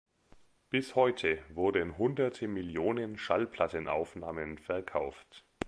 Bis heute wurden Hunderte Millionen Schallplattenaufnahmen verkauft.